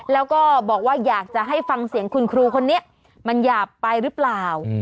แล้วก็บอกว่าอยากจะให้ฟังเสียงคุณครูคนนี้มันหยาบไปหรือเปล่า